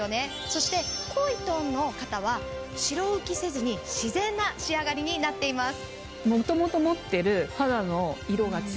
そして濃いトーンの方は白浮きせずに自然な仕上がりになっています。